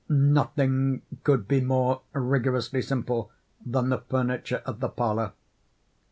Nothing could be more rigorously simple than the furniture of the parlor.